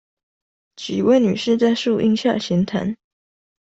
幾位女士在樹陰下閒談